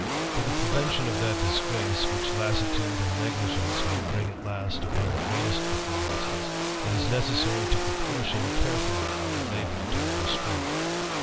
For the prevention of that disgrace, which lassitude s negligence may bring at last upon the greatest performanc it is necessary to proportion carefully, our. labour to < Strength.